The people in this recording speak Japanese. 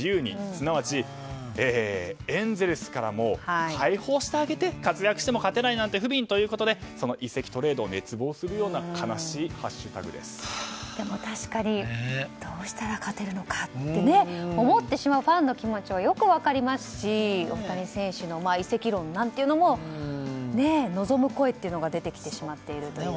すなわち、エンゼルスからもう解放してあげて活躍しても勝てないなんて不憫だということで移籍・トレードを熱望する確かに、どうしたら勝てるのかって思ってしまうファンの気持ちはよく分かりますし、大谷選手の移籍論なんて言うのも望む声が出てきてしまっているという。